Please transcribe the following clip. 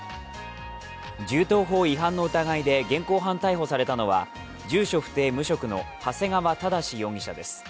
銃刀法違反の疑いで現行犯逮捕されたのは住所不定・無職の長谷川正容疑者です。